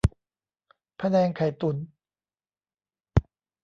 พะแนงไข่ตุ๋น